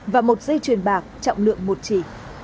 và một dây truyền bạc trọng lượng một chỉ